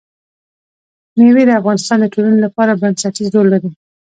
مېوې د افغانستان د ټولنې لپاره بنسټيز رول لري.